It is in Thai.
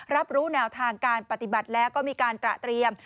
รับรู้แนวทางการปฏิบัติแล้วก็มีการตระเตรียม